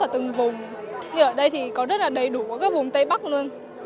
ở từng vùng như ở đây thì có rất là đầy đủ các vùng tây bắc luôn